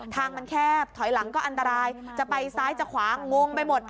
ทางมันแคบถอยหลังก็อันตรายจะไปซ้ายจะขวางงไปหมด